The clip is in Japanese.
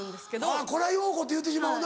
あぁこれはようこって言うてしまうな。